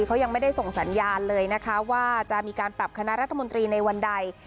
เขายังไม่ได้ส่งสัญญาณเลยนะคะว่าจะมีการปรับคณะรัฐมนตรีในวันใด